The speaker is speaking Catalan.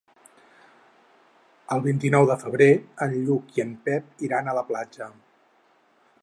El vint-i-nou de febrer en Lluc i en Pep iran a la platja.